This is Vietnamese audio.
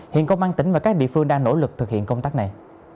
hiện công an tỉnh và các địa phương đang nỗ lực thực hiện công tác này